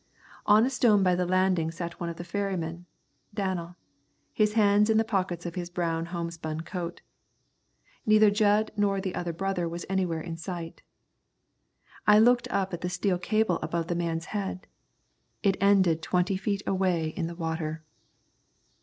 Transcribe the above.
On a stone by the landing sat one of the ferrymen, Danel, his hands in the pockets of his brown homespun coat. Neither Jud nor the other brother was anywhere in sight. I looked up at the steel cable above the man's head. It ended twenty feet away in the water.